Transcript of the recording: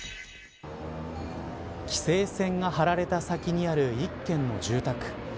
規制線が張られた先にある一軒の住宅。